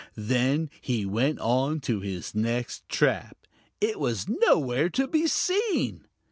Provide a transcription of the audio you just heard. Then he went on to his next trap; it was nowhere to be seen.